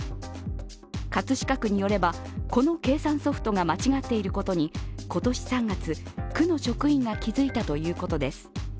葛飾区によればこの計算ソフトが間違っていることに今年３月、区の職員が気づいたということです。